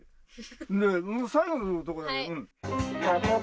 最後のとこだけ。